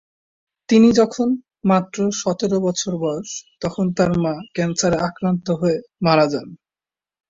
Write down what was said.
তিনি যখন মাত্র সতের বছর বয়স, তখন তাঁর মা ক্যান্সারে আক্রান্ত হয়ে মারা যান।